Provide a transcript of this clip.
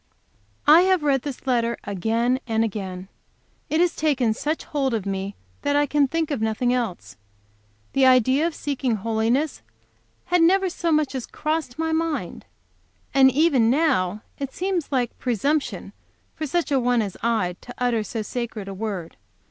I have read this letter again and again. It has taken such hold of me that I can think of nothing else. The idea of seeking holiness had never so much as crossed my mind. And even now it seems like presumption for such a one as I to utter so sacred a word.